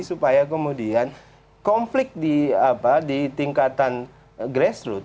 supaya kemudian konflik di tingkatan grassroot